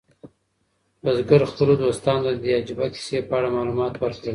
بزګر خپلو دوستانو ته د دې عجیبه کیسې په اړه معلومات ورکړل.